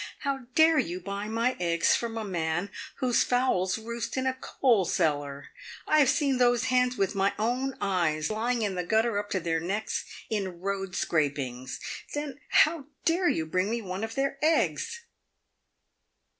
How dare you buy my eggs from a man whose fowls roost in a coal cellar ? I have seen those hens with my own eyes lying in the gutter up to their necks in road scrapings. Then how dare you bring me one of their eggs